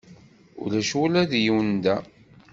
Ulac ula d yiwen da.